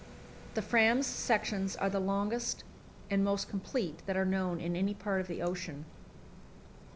The Fram's sections are the longest and most complete that are known in any part of the ocean.